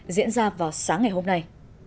diễn ra vào sáng ngày hôm nay